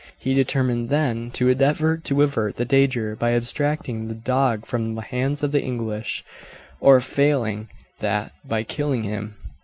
He determined then to endeavour to avert the danger by abstracting the dog from the hands of the English, or, failing that, by killing him.